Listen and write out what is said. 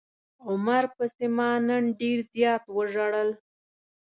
عمر پسې ما نن ډير زيات وژړل.